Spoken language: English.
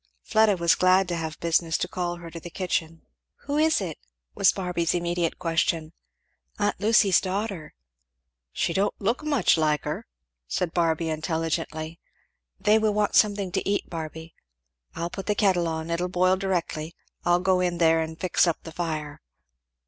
Fleda was glad to have business to call her into the kitchen. "Who is it?" was Barby's immediate question. "Aunt Lucy's daughter." "She don't look much like her!" said Barby intelligently. "They will want something to eat, Barby." "I'll put the kettle on. It'll boil directly. I'll go in there and fix up the fire."